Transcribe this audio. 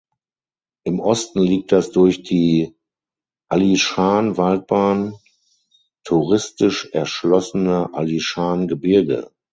Im Osten liegt das durch die Alishan-Waldbahn touristisch erschlossene Alishan-Gebirge.